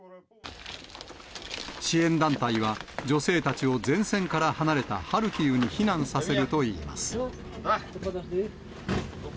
支援団体は、女性たちを前線から離れたハルキウに避難させるといいます。